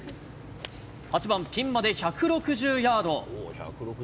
８番、ピンまで１６０ヤード。